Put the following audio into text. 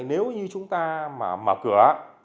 nếu như chúng ta mà mở cửa